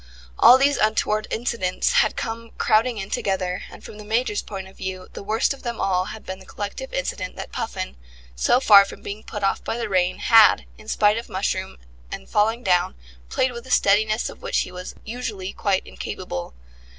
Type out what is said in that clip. ... All these untoward incidents had come crowding in together, and from the Major's point of view, the worst of them all had been the collective incident that Puffin, so far from being put off by the rain, had, in spite of mushroom and falling down, played with a steadiness of which he was usually quite incapable.